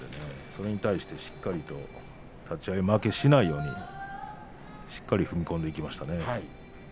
それに対して立ち合い負けしないようにしっかりと踏み込んでいきましたね。